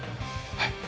はい